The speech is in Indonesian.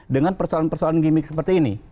dengan persoalan persoalan gimmick seperti ini